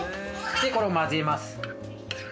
でこれを混ぜます。